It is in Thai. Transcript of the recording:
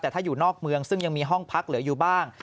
แต่ถ้าอยู่นอกเมืองซึ่งยังมีห้องพักเหลืออยู่บ้าง